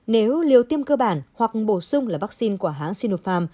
nếu liều tiêm cơ bản hoặc bổ sung là vắc xin của hãng sinopharm